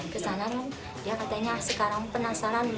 kesana kan dia katanya sekarang penasaran